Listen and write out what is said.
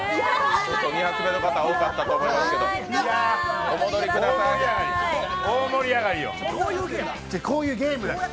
２発目の方、多かったと思いますけど、お戻りください、こういうゲームだから。